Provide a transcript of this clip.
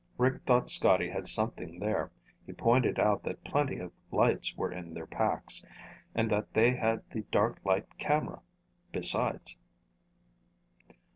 Rick thought Scotty had something there. He pointed out that plenty of lights were in their packs, and that they had the dark light camera besides.